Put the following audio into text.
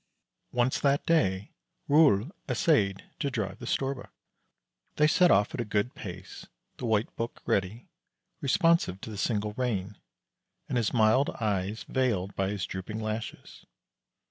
Once that day Rol essayed to drive the Storbuk. They set off at a good pace, the White Buk ready, responsive to the single rein, and his mild eyes veiled by his drooping lashes.